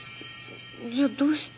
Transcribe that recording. じゃあどうして？